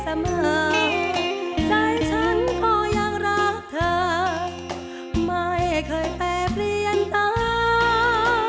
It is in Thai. แต่เมื่อใจฉันก็ยังรักเธอไม่เคยแปรเปลี่ยนตา